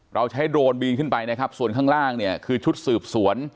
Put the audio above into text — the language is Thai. เราใช้โดรนบีนขึ้นไปส่วนข้างล่างคือชุดสืบสวน